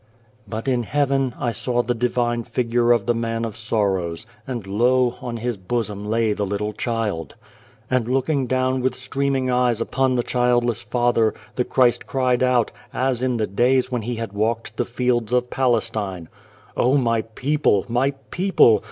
But in heaven I saw the Divine Figure of the Man of Sorrows; and lo! on His bosom lay the little child. And, looking down with streaming eyes upon the childless father, the Christ cried out, as in the days when He had walked the fields of Palestine :" O ! My people ! My people